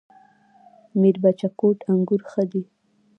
میربچه کوټ انګور ښه دي؟